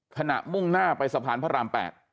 ขณะมุ่งหน้าไปสะพานพระราม๘